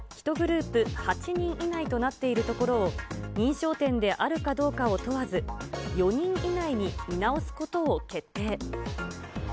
１グループ８人以内となっているところを、認証店であるかどうかを問わず、４人以内に見直すことを決定。